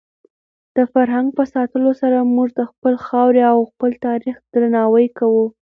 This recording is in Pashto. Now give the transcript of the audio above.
د فرهنګ په ساتلو سره موږ د خپلې خاورې او خپل تاریخ درناوی کوو.